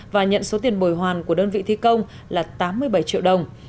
và nhận số tiền bồi hoàn của đơn vị thi công là tám mươi bảy triệu đồng